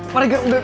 pak regar udah